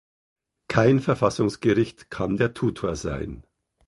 Kein Verfassungsgericht kann der Tutor sein.